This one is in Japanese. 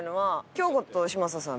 京子と嶋佐さん